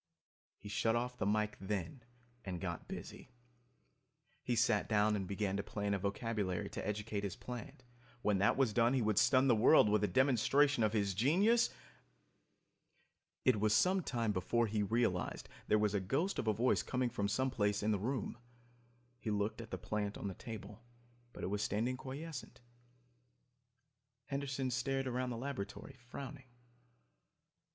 He shut off the mike, then, and got busy. He sat down and began to plan a vocabulary to educate his plant. When that was done he would stun the world with a demonstration of his genius ... It was some time before he realized there was a ghost of a voice coming from someplace in the room. He looked at the plant on the table, but it was standing quiescent. Henderson stared around the laboratory, frowning.